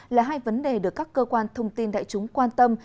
là hai vấn đề được các cơ quan thông tin đại chúng quan tâm